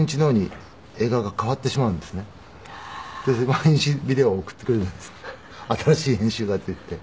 毎日ビデオを送ってくれるんです新しい編集だっていって。